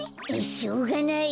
しょうがない。